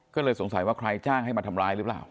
ก็เลยสงสัยว่าใครจ้างให้มาทำร้ายหรือเปล่า